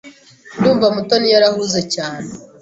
Ndumva Mutoni yarahuze cyane.